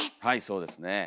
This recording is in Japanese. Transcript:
はいそうですね。